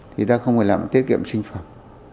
thì ta không phải làm tiết kiệm sinh phẩm